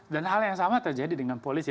dan hal yang sama terjadi dengan polisi